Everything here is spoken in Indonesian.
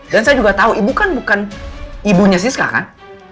dan saya juga tahu ibu kan bukan ibunya siska kan